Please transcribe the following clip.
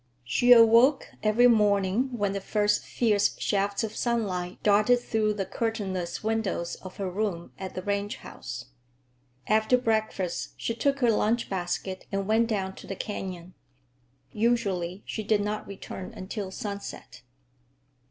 She awoke every morning when the first fierce shafts of sunlight darted through the curtainless windows of her room at the ranch house. After breakfast she took her lunch basket and went down to the canyon. Usually she did not return until sunset.